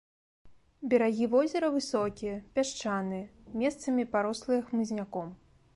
Берагі возера высокія, пясчаныя, месцамі парослыя хмызняком.